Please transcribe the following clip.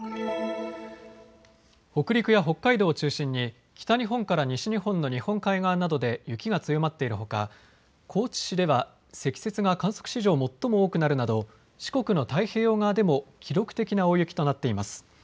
北陸や北海道を中心に北日本から西日本の日本海側などで雪が強まっているほか高知市では積雪が観測史上、最も多くなるなど四国の太平洋側でも記録的な大雪となっています。